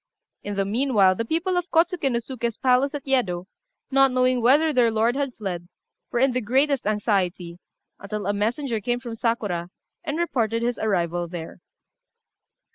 In the meanwhile the people of Kôtsuké no Suké's palace at Yedo, not knowing whether their lord had fled, were in the greatest anxiety, until a messenger came from Sakura, and reported his arrival there.